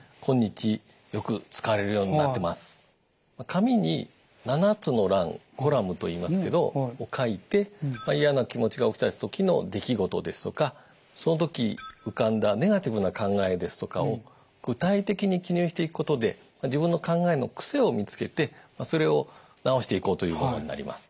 紙に７つの欄コラムといいますけどを書いて嫌な気持ちが起きた時の出来事ですとかその時浮かんだネガティブな考えですとかを具体的に記入していくことで自分の考えの癖を見つけてそれを直していこうというものになります。